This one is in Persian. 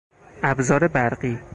ابزار برقی